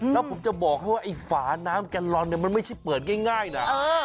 แล้วผมจะบอกให้ว่าเผาน้ำแกนลอนมันไม่ใช่เปิดง่ายนะ